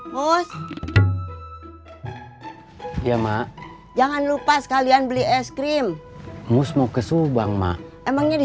mus ya mak jangan lupa sekalian beli es krim mus mau ke subang mak emangnya di